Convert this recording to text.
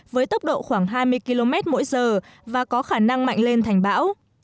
với tốc độ khoảng hai mươi km mỗi giờ và có khả năng mạnh lên thành bão